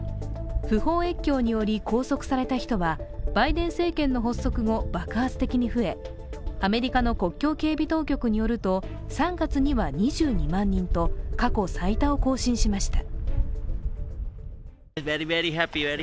不法越境により拘束された人はバイデン政権の発足後、爆発的に増えアメリカの国境警備当局によると３月には２２万人と過去最多を更新しました。